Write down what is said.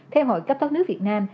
theo hội cấp thoát nước việt nam